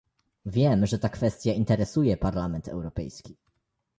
Wiem, że ta kwestia interesuje Parlament Europejski